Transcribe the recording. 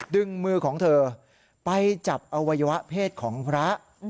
ดึงมือของเธอไปจับอวัยวะเพศของพระ